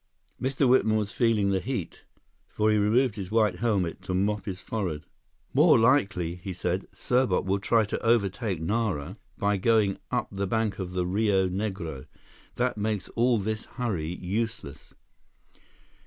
Mr. Whitman was feeling the heat, for he removed his white helmet to mop his forehead. "More likely," he said, "Serbot will try to overtake Nara by going up the bank of the Rio Negro. That makes all this hurry useless."